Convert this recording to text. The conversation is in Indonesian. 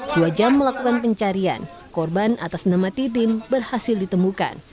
dua jam melakukan pencarian korban atas nama titim berhasil ditemukan